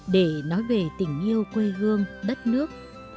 để nói về tình yêu quê hương đất nước